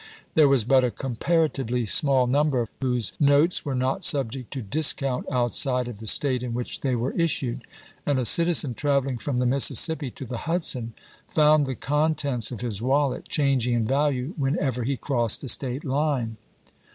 There was but a comparatively small number whose notes were not subject to discount outside of the State in which they were issued, and a citizen traveling from the Mississippi to the Hudson found the contents of his wallet changing in value whenever he crossed a State line.